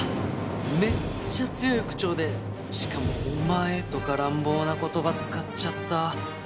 めっちゃ強い口調でしかも「お前」とか乱暴な言葉使っちゃった。